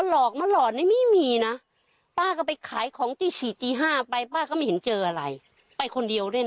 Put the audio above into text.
ทั้งสองนาทีงานต้องค่อยจัดสล็อคเนี้ย